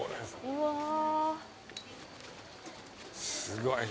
すごい。